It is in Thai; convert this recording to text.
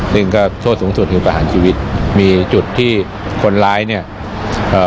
หนึ่งก็โทษสูงสุดคือประหารชีวิตมีจุดที่คนร้ายเนี้ยเอ่อ